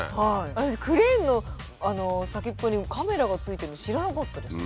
私クレーンの先っぽにカメラが付いてるの知らなかったです。